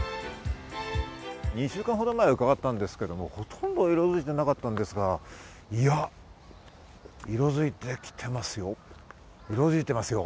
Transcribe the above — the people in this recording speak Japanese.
２週間ほど前に伺ったんですけど、ほとんど色づいてなかったんですが、色づいてきていますよ。